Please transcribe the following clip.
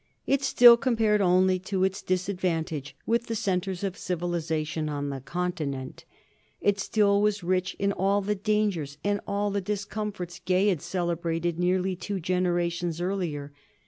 It still compared only to its disadvantage with the centres of civilization on the Continent; it still was rich in all the dangers and all the discomforts Gay had celebrated nearly two generations earlier.